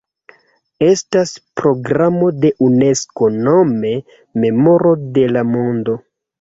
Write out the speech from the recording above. Estas programo de Unesko nome Memoro de la Mondo.